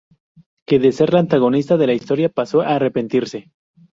Que de ser la antagonista de la historia pasó a arrepentirse.